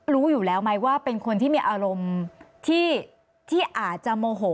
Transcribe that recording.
รู้อยู่แล้วไหมว่าเป็นคนที่มีอารมณ์ที่อาจจะโมโห